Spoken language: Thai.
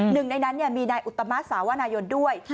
หนึ่งในนั้นมีนายอุตมะสาวนายนด้วย